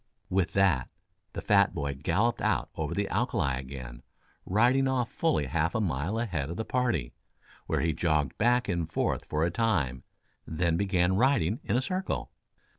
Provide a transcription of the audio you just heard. With that, the fat boy galloped out over the alkali again, riding off fully half a mile ahead of the party, where he jogged back and forth for a time, then began riding in a circle.